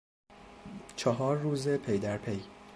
چهار روز پیدرپی